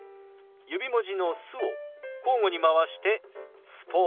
指文字の「す」を交互に回して「スポーツ」。